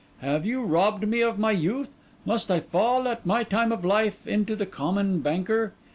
Have you robbed me of my youth? Must I fall, at my time of life, into the Common Banker?